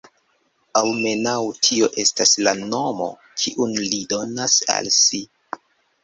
Almenaŭ tio estas la nomo, kiun li donas al si.